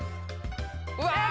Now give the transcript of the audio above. うわ。